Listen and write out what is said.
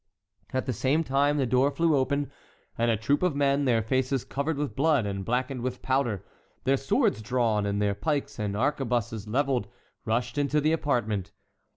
At the same time the door flew open, and a troop of men, their faces covered with blood and blackened with powder, their swords drawn, and their pikes and arquebuses levelled, rushed into the apartment.